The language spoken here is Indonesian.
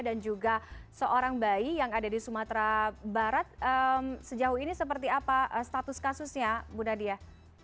dan juga seorang bayi yang ada di sumatera barat sejauh ini seperti apa status kasusnya bunda diyah